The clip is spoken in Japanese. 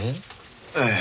ええ。